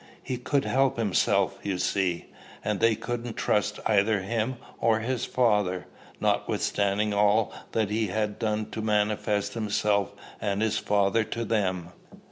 "He could help himself, you see." "And they couldn't trust either him or his Father, notwithstanding all he had done to manifest himself and his Father to them.